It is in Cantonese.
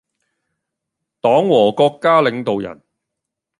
黨和國家領導人